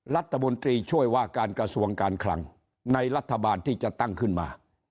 รัฐมนตรีช่วยว่าการกระทรวงการคลังในรัฐบาลที่จะตั้งขึ้นมา